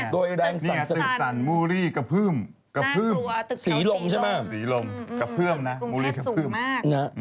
ตึกสั่นมุรีกระพื้มสีลมมุรีกระพื้ม